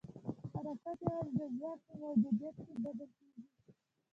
حرکت یوازې د ځواک په موجودیت کې بدل کېږي.